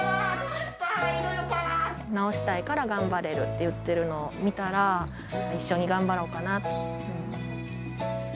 治したいから頑張れるって言ってるのを見たら、一緒に頑張ろうかなって。